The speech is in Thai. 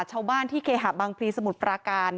ชาวบ้านที่เคหะบางพลีสมุทรปราการ